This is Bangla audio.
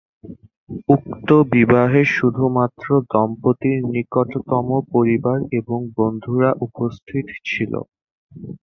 উক্ত বিবাহে শুধুমাত্র দম্পতির নিকটতম পরিবার এবং বন্ধুরা উপস্থিত ছিল।